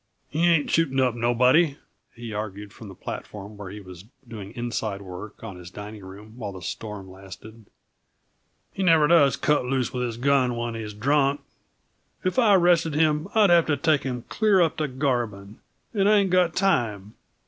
"He ain't shooting up nobody," he argued from the platform, where he was doing "inside work" on his dining room while the storm lasted. "He never does cut loose with his gun when he's drunk. If I arrested him, I'd have to take him clear up to Garbin and I ain't got time.